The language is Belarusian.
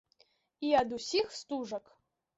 І ад усіх стужак.